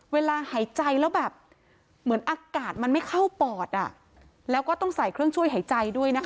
เวลาหายใจแล้วแบบเหมือนอากาศมันไม่เข้าปอดแล้วก็ต้องใส่เครื่องช่วยหายใจด้วยนะคะ